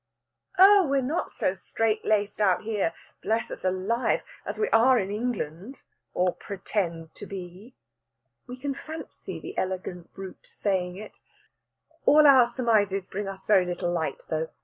Oh, we're not so strait laced out here bless us alive! as we are in England, or pretend to be." We can fancy the elegant brute saying it. All our surmises bring us very little light, though.